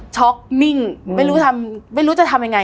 โชคนิ่งไม่รู้จะทำยังไง